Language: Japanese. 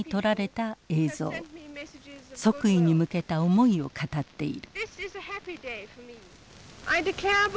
即位に向けた思いを語っている。